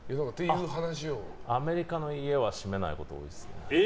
アメリカの家は閉めないことが多いですね。